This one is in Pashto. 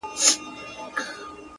د غمونو درته مخ د خوښۍ شا سي-